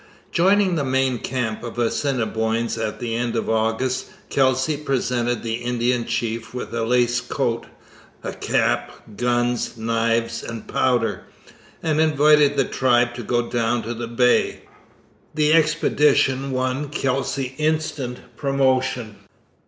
Joining the main camp of Assiniboines at the end of August, Kelsey presented the Indian chief with a lace coat, a cap, guns, knives, and powder, and invited the tribe to go down to the Bay. The expedition won Kelsey instant promotion.